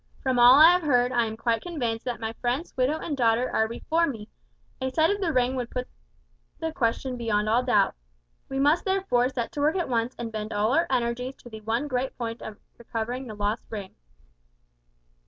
From all I have heard I am convinced that my friend's widow and daughter are before me a sight of the ring would put the question beyond all doubt. We must therefore set to work at once and bend all our energies to the one great point of recovering the lost ring."